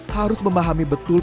harus memahami betul